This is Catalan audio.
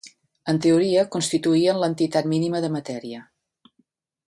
En teoria constituïen la entitat mínima de matèria.